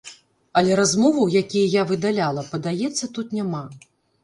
Але размоваў, якія я выдаляла, падаецца, тут няма.